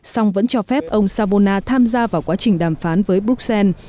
song vẫn cho phép ông sabona tham gia vào quá trình đàm phán với bruxelles